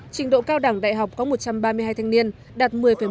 trình độ cao đẳng đại học có một trăm ba mươi hai thanh niên đạt một mươi một